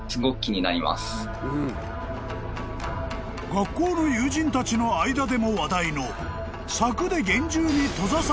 ［学校の友人たちの間でも話題の柵で］